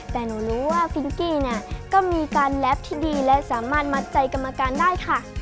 แต่หนูรู้ว่าฟิงกี้เนี่ยก็มีการแลปที่ดีและสามารถมัดใจกรรมการได้ค่ะ